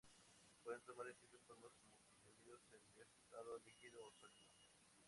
Pueden tomar distintas formas como comprimidos, en estado líquido, o sólido.